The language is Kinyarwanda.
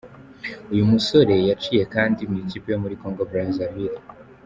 Uyu musore yaciye kandi mu ikipe yo muri Congo Brazzaville.